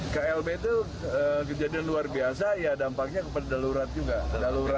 klb itu kejadian luar biasa ya dampaknya kepada darurat juga